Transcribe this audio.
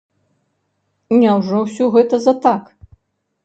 Няўжо ўсё гэта за так?